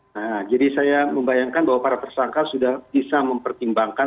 nah jadi saya membayangkan bahwa para tersangka sudah bisa mempertimbangkan